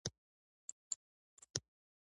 د مسلمانانو په کلاسیکو روایتونو کې ویل کیږي.